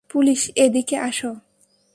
Police, এদিকে আসো।